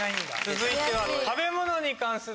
続いては。